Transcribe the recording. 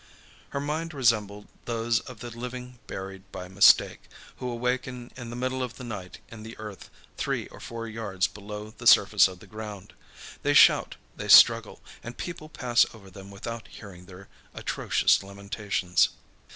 Her mind resembled those of the living buried by mistake, who awaken in the middle of the night in the earth, three or four yards below the surface of the ground. They shout, they struggle, and people pass over them without hearing their atrocious lamentations.